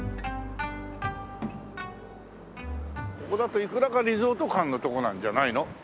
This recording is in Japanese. ここだといくらかリゾート感のとこなんじゃないの。